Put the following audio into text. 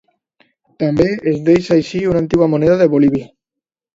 També es deia així una antiga moneda de Bolívia.